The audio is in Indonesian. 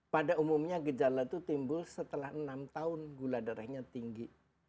pada umumnya gejala itu timbul setelah enam tahun gula darahnya tinggi